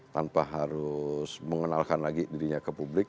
tanpa harus mengenalkan lagi dirinya ke publik